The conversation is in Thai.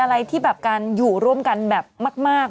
อะไรที่แบบการอยู่ร่วมกันแบบมาก